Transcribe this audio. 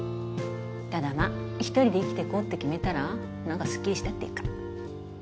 ただまあ一人で生きてこうって決めたら何かすっきりしたっていうか。